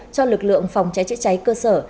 cho lực lượng phòng cháy cháy cơ sở